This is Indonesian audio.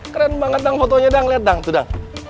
keren banget dang fotonya dang liat dang